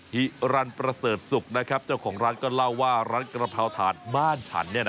ฮิรันประเสริฐศุกร์นะครับเจ้าของร้านก็เล่าว่าร้านกระเพราถาดบ้านฉัน